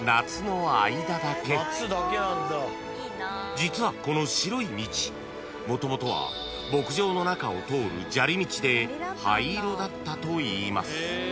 ［実はこの白い道もともとは牧場の中を通る砂利道で灰色だったといいます］